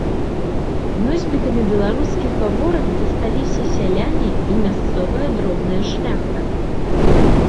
Носьбітамі беларускіх гаворак засталіся сяляне і мясцовая дробная шляхта.